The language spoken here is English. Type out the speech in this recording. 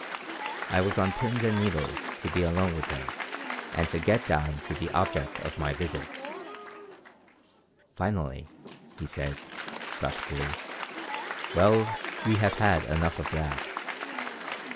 I was on pins and needles to be alone with him and to get down to the object of my visit Finally he said, brusquely: "Well, we have had enough of that.